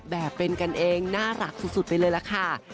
แบบเป็นกันเองน่ารักสุดไปเลยล่ะค่ะ